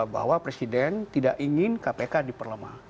bahwa presiden tidak ingin kpk diperlemah